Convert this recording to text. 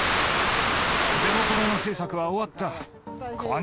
ゼロコロナ政策は終わった。